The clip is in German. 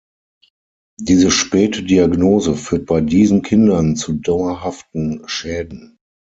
Diese späte Diagnose führt bei diesen Kindern zu dauerhaften Schäden.